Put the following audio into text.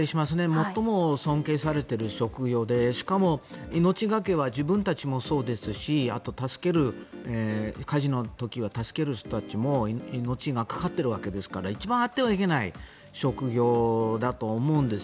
最も尊敬されている職業でしかも命懸けは自分たちもそうですしあと、火事の時は助ける人たちも命がかかっているわけですから一番あってはいけない職業だと思うんです。